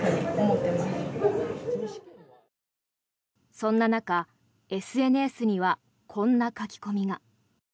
そんな中、ＳＮＳにはこんな書き込みが。